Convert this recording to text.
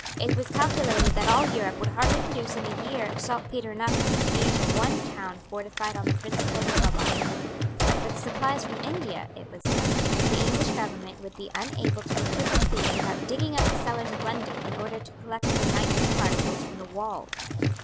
It was calculated that all Europe would hardly produce in a year saltpetre enough for the siege of one town fortified on the principles of Vauban. But for the supplies from India, it was said, the English government would be unable to equip a fleet without digging up the cellars of London in order to collect the nitrous particles from the walls.